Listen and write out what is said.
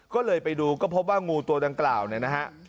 ก็เลยไปดูก็พบว่างูตัวดังกล่าวเนี่ยนะฮะ